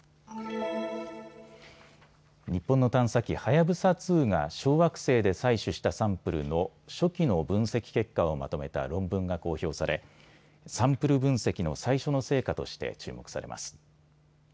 日本の探査機、はやぶさ２が小惑星で採取したサンプルの初期の分析結果をまとめた論文が公表されサンプル分析の最初の成果として注目されます。